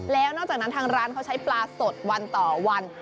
แล้วนอกจากนั้นทางร้านเขาใช้ปลาสดวันต่อวัน